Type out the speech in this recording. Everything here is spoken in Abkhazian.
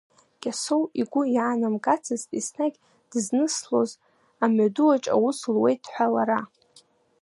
Кьасоу игәы иаанамгацызт, еснагь дызныслоз амҩадуаҿ аус луеит ҳәа лара.